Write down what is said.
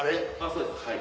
そうですはい。